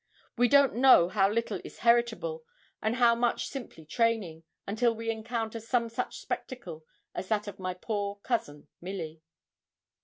We don't know how little is heritable, and how much simply training, until we encounter some such spectacle as that of my poor cousin Milly.